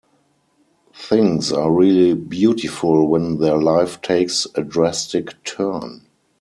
Things are really beautiful when their life takes a drastic turn.